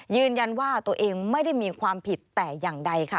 ยืนยันว่าตัวเองไม่ได้มีความผิดแต่อย่างใดค่ะ